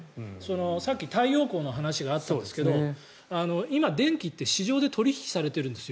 さっき太陽光の話があったんですが今、電気って市場で取引されているんですよ。